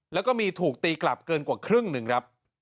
แล้วก็มีถูกตีกลับเกินกว่าครึ่งหนึ่งครับ